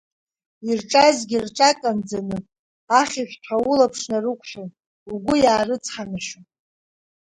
Ирҿазгьы рҿаканӡаны, ахьышәҭҳәа улаԥш нарықәшәон, угәы иаарыцҳанашьон.